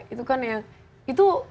itu kan ya itu